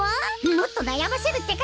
もっとなやませるってか！